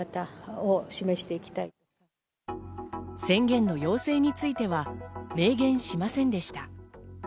宣言の要請については明言しませんでした。